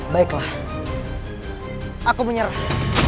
baiklah aku menyerah